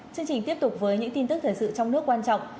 chương trình tiếp tục với những tin tức thời sự trong nước quan trọng